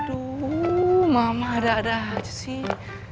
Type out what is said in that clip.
aduh mama ada ada aja sih